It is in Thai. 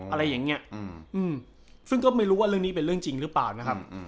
อะไรอย่างนี้ซึ่งก็ไม่รู้ว่าเรื่องนี้เป็นเรื่องจริงหรือเปล่านะครับ